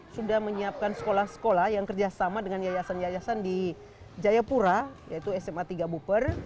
sudah menyiapkan sekolah sekolah yang kerjasama dengan yayasan yayasan di jayapura yaitu sma tiga buper